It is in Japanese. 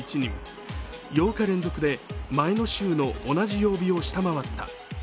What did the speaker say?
８日連続で前の週の同じ曜日を下回った。